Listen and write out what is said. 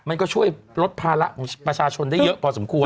มันก็ช่วยลดภาระของประชาชนได้เยอะพอสมควร